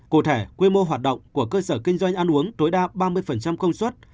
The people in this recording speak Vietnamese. cụ thể quy mô hoạt động của cơ sở kinh doanh ăn uống tối đa ba mươi công suất